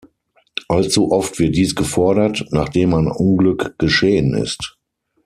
Allzu oft wird dies gefordert, nachdem ein Unglück geschehen ist.